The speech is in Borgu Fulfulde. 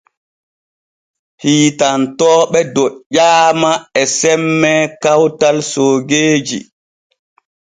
Hiitantooɓe doƴƴaama e semme kawtal soogeeji.